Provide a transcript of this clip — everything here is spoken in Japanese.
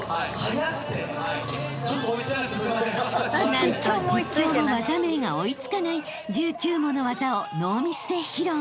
［何と実況も技名が追い付かない１９もの技をノーミスで披露］